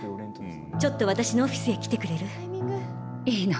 ちょっと私のオフィスへ来てくれる？